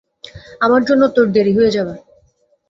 আমার জন্য তোর দেরি হয়ে যাবে।